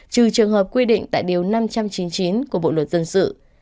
trừ trường hợp quy định tại điều năm trăm chín mươi chín của bộ luật dân sự